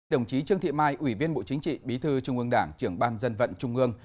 đồng chí trương thị mai ủy viên bộ chính trị bí thư trung ương đảng trưởng ban dân vận trung ương